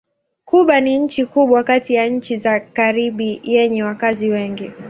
Kuba ni nchi kubwa kati ya nchi za Karibi yenye wakazi wengi.